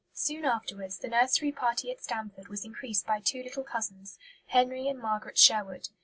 Soon afterwards the nursery party at Stanford was increased by two little cousins, Henry and Margaret Sherwood.